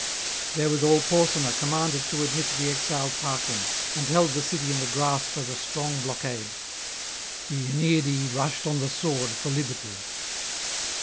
Therewithal Porsena commanded [647 681]to admit the exiled Tarquin, and held the city in the grasp of a strong blockade; the Aeneadae rushed on the sword for liberty.